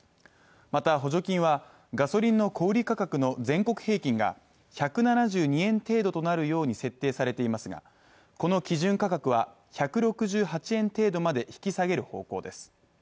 また補助金は、ガソリンの小売価格の全国平均が１７２円程度となるように設定されていますがこの基準価格は１６８円程度まで引き下げる方向です。